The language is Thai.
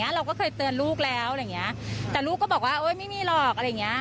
เราก็เคยเตือนลูกแล้วแต่ลูกก็บอกว่าไม่มีหรอก